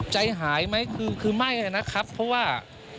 ใจหายไหมคือไม่นะครับเพราะว่า